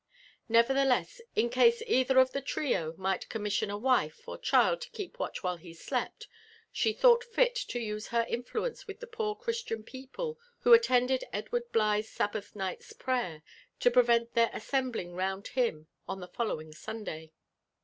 Nevertheless, in case either of the trio might commission a wife or child to keep watch while he slept, she thought fit to use her influence with the poor Christian people who attended Edward Bligh*s Sabbath night's prayer, to prevent their assembling round him on the following Sun day.